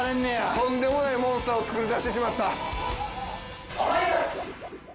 とんでもないモンスターを作り出してしまった。